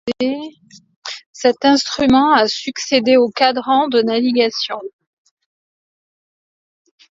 Cet instrument a succédé au quadrant de navigation.